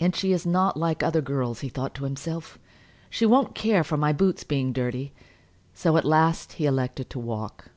"And she is not like other girls," he thought to himself. "She won't care for my boots being dirty." So at last he elected to walk.